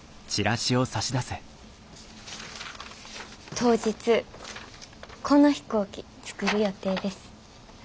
当日この飛行機作る予定です。